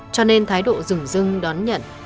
cho nên thái độ rừng rưng đón nhận